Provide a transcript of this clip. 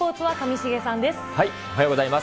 おはようございます。